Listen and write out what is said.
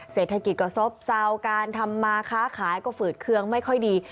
เศรษฐกิจก็ซบเซาการทำมาค้าขายก็ฝืดเคืองไม่ค่อยดี